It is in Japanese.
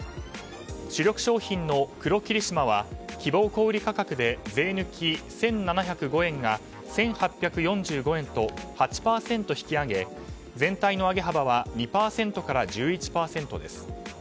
主力商品の黒霧島は希望小売価格で税抜き１７０５円が１８４５円と８％引き上げ、全体の上げ幅は２％から１１％です。